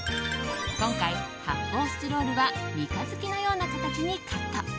今回、発泡スチロールは三日月のような形にカット。